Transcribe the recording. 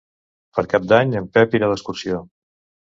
Per Cap d'Any en Pep irà d'excursió.